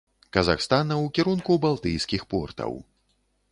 Казахстана ў кірунку балтыйскіх портаў.